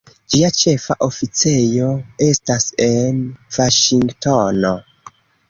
Ĝia ĉefa oficejo estas en Vaŝingtono.